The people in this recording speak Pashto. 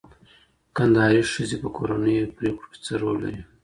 کندهاري ښځې په کورنیو پرېکړو کي څه رول لري؟